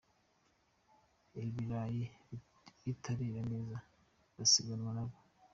ibirayi bitarera neza basiganwa na bo.